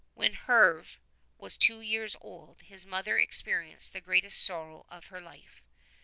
When Herve was two years old his mother experienced the greatest sorrow of her life.